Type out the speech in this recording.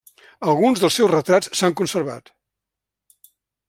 Alguns dels seus retrats s'han conservat.